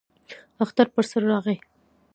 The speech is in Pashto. اختر پر سر راغی.